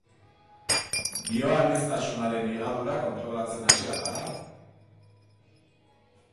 Bioaniztasunaren higadura kontrolatzen hasi al gara?